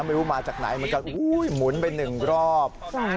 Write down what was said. ไม่รู้มาจากไหนเหมือนกันหมุนไปหนึ่งรอบ